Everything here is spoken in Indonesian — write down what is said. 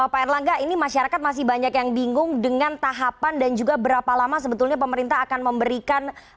pak erlangga ini masyarakat masih banyak yang bingung dengan tahapan dan juga berapa lama sebetulnya pemerintah akan memberikan